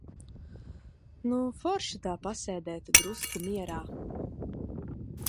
Nu forši tā pasēdēt drusku mierā.